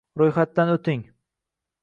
Ro‘yxatdan o‘ting